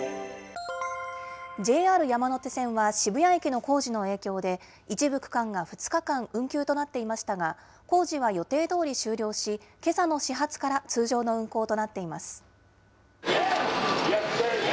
ＪＲ山手線は渋谷駅の工事の影響で、一部区間が２日間、運休となっていましたが、工事は予定どおり終了し、けさの始発から通常の運行となっています。